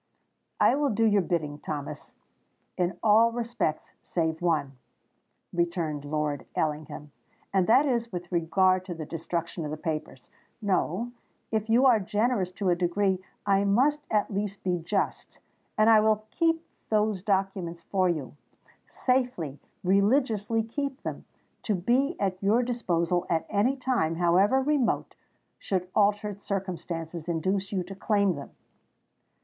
"I will do your bidding, Thomas, in all respects save one," returned Lord Ellingham: "and that is with regard to the destruction of the papers. No—if you are generous to a degree, I must at least be just; and I will keep those documents for you—safely, religiously keep them—to be at your disposal at any time, however remote, should altered circumstances induce you to claim them."